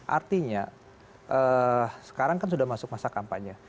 artinya sekarang kan sudah masuk masa kampanye